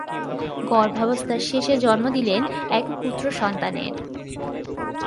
গর্ভাবস্থার শেষে জন্ম দিলেন এক পুত্রসন্তানের।